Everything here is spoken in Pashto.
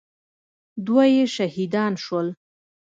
دوه يې شهيدان سول.